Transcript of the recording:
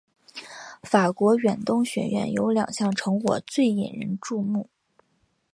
法国远东学院有两项成果最引人注目。